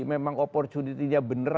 memang opportunity nya bener